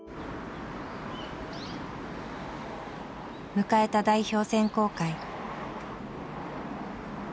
迎えた代表選考会。